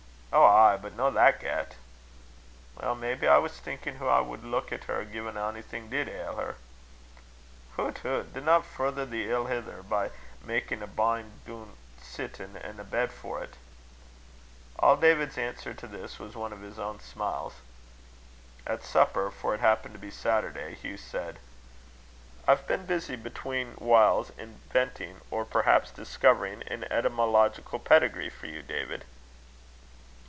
"Ow, ay but no that get." "Weel, maybe I was thinkin' hoo I wad leuk at her gin onything did ail her." "Hoot! hoot! dinna further the ill hither by makin' a bien doonsittin' an' a bed for't." All David's answer to this was one of his own smiles. At supper, for it happened to be Saturday, Hugh said: "I've been busy, between whiles, inventing, or perhaps discovering, an etymological pedigree for you, David!"